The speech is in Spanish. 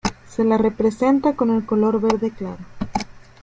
Se la representa con el color verde claro.